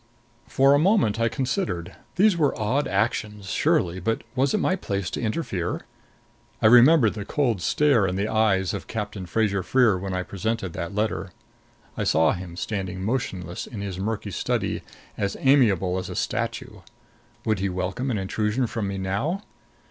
For a moment I considered. These were odd actions, surely; but was it my place to interfere? I remembered the cold stare in the eyes of Captain Fraser Freer when I presented that letter. I saw him standing motionless in his murky study, as amiable as a statue. Would he welcome an intrusion from me now?